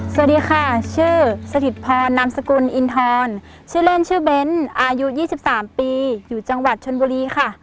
สวัสดีค่ะชื่อสถิตพรนามสกุลอินทรชื่อเล่นชื่อเบ้นอายุ๒๓ปีอยู่จังหวัดชนบุรีค่ะ